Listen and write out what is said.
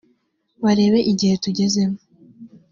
bareba igihe tugezemo”